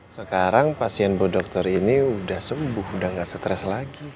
sekarang pasien bu dokter ini udah sembuh udah gak stres lagi